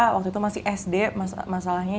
waktu itu masih sd masalahnya